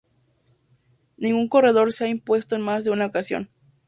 Ningún corredor se ha impuesto en más de una ocasión.